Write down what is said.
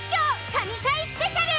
神回スペシャル！